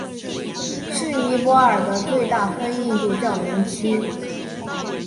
是尼泊尔的最大非印度教民族。